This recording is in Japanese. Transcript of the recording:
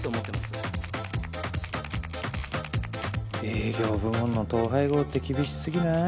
営業部門の統廃合って厳しすぎない？